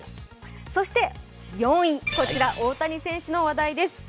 ４位、大谷選手の話題です。